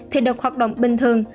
thì được hoạt động bình thường